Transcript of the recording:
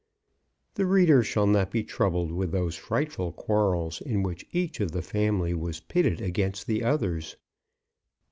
The reader shall not be troubled with those frightful quarrels in which each of the family was pitted against the others.